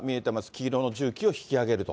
黄色の重機を引き上げると。